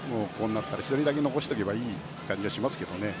１人だけ残しておけばいい感じもしますけどね。